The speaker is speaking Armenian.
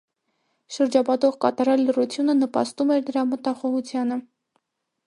Շրջապատող կատարյալ լռությունը նպաստում էր նրա մտախոհությանը: